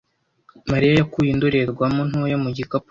Mariya yakuye indorerwamo ntoya mu gikapu cye,